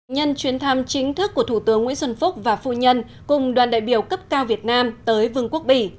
nhân chuyến thăm chính thức của thủ tướng nguyễn xuân phúc và phu nhân cùng đoàn đại biểu cấp cao việt nam tới vương quốc bỉ